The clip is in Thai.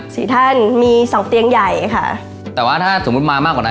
สี่ท่านมีสองเตียงใหญ่ค่ะแต่ว่าถ้าสมมุติมามากกว่านั้น